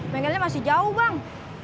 bengkelnya masih jauh bang